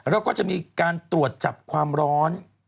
แล้วก็จะมีการตรวจจับความร้อน